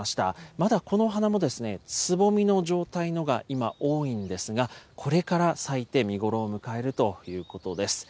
まだこの花もつぼみの状態のが今、多いんですが、これから咲いて、見頃を迎えるということです。